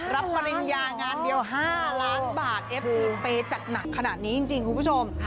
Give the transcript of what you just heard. ปริญญางานเดียว๕ล้านบาทเอฟซีเปย์จัดหนักขนาดนี้จริงคุณผู้ชม